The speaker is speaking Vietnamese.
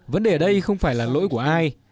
vấn đề ở đây không phải là lỗi của ai